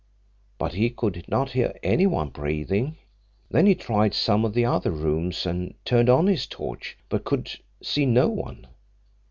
But he could not hear anyone breathing. Then he tried some of the other rooms and turned on his torch, but could see no one.